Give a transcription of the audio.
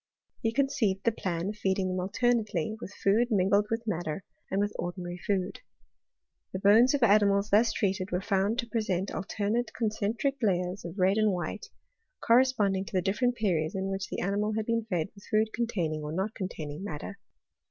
He con ceived the plan of feeding them alternately with food mingled with madder, and with ordinary food. The bones of animals thus treated were found to present alternate concentric layers of red and white, corre iponding to the different periods in which the animal u 2 892 HlftTORf OF dHEMISTRY. had been fed with food containing or not containing madder.